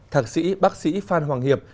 thạc sĩ bác sĩ phan hoàng hiệp